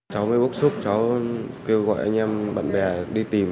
cháu mới bức xúc cháu kêu gọi anh em bạn bè đi tìm